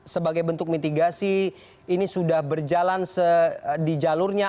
sebagai bentuk mitigasi ini sudah berjalan di jalurnya